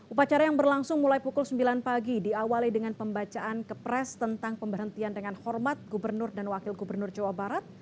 upacara yang berlangsung mulai pukul sembilan pagi diawali dengan pembacaan kepres tentang pemberhentian dengan hormat gubernur dan wakil gubernur jawa barat